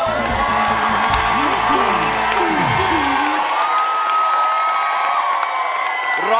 แบบไม่เค้าร้อง